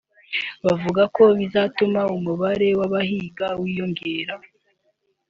bavuga ko bizatuma umubare w’abahiga wiyongera